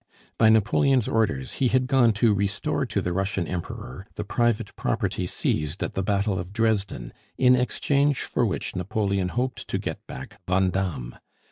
By Napoleon's orders he had gone to restore to the Russian Emperor the private property seized at the battle of Dresden, in exchange for which Napoleon hoped to get back Vandamme.